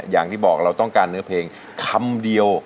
อย่างที่บอกเราต้องการเนื้อเพลงคำเดียว